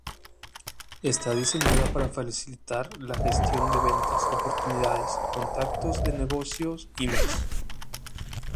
Está diseñada para facilitar la gestión de ventas, oportunidades, contactos de negocios y más.